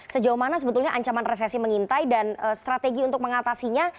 sejauh mana sebetulnya ancaman resesi mengintai dan strategi untuk mengatasinya